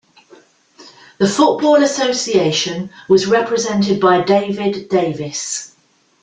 The Football Association was represented by David Davies.